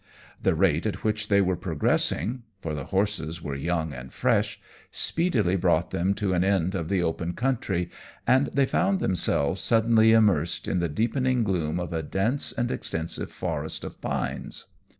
The rate at which they were progressing for the horses were young and fresh speedily brought them to an end of the open country, and they found themselves suddenly immersed in the deepening gloom of a dense and extensive forest of pines.